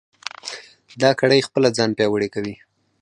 دا کړۍ خپله ځان پیاوړې کوي.